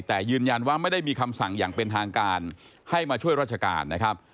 แต่ยืนยันว่าไม่ได้มีคำสั่งอย่างเป็นทางการให้มาช่วยราชการนะครับ